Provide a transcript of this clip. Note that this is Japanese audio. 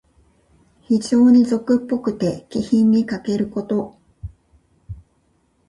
非情に俗っぽくて、気品にかけること。